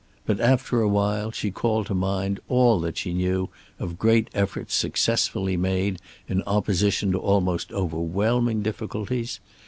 But after a while she called to mind all that she knew of great efforts successfully made in opposition to almost overwhelming difficulties.